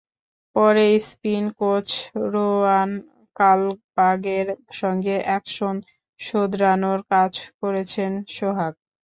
পরে spin coach Ruwan কালপাগের সঙ্গে অ্যাকশন শোধরানোর কাজ করেছেন সোহাগ।